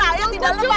saya tidak lebay